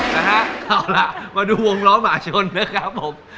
แล้วเอาละมาดูวงร้อนหมาชนนะครับผม